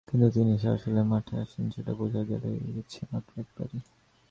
কিন্তু তিনি যে আসলে মাঠে আছেন, সেটা বোঝা গেছে মাত্র একবারই।